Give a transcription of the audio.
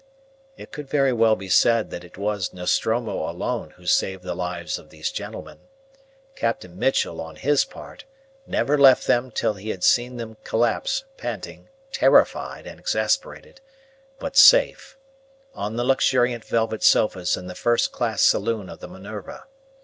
It could very well be said that it was Nostromo alone who saved the lives of these gentlemen. Captain Mitchell, on his part, never left them till he had seen them collapse, panting, terrified, and exasperated, but safe, on the luxuriant velvet sofas in the first class saloon of the Minerva.